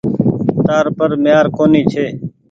تآر پر ميهآر ڪونيٚ ڇي۔